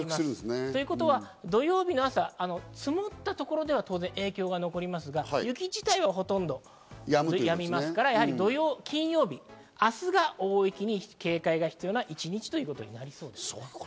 ということは、土曜日の朝積もった所では当然、影響が残りますが雪自体はほとんどやみますから、金曜日、明日が大雪に警戒が必要な一日ということになりそうですね。